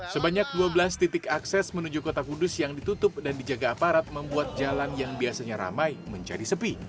sebanyak dua belas titik akses menuju kota kudus yang ditutup dan dijaga aparat membuat jalan yang biasanya ramai menjadi sepi